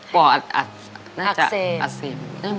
ป่ออักเสบ